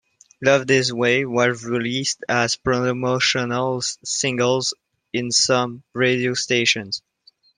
"Love This Way" was released as promotional singles in some radio stations.